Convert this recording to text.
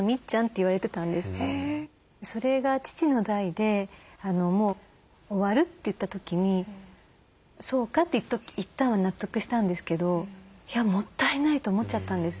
それが父の代でもう終わるといった時にそうかって一旦は納得したんですけどいやもったいないと思っちゃったんです。